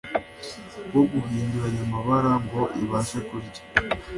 wo guhinduranya amabara ngo ibashe kurya